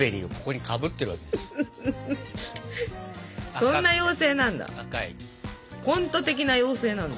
そんな妖精なんだ？